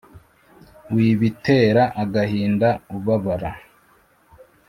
wibitera agahinda ubabara